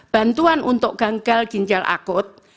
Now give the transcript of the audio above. bantuan untuk gagal ginjal akut